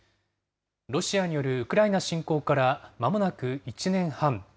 ロシアによるウクライナ侵攻からまもなく１年半。